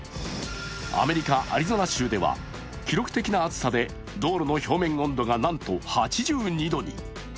アメリカ・アリゾナ州では記録的な暑さで道路の表面温度がなんと８２度に。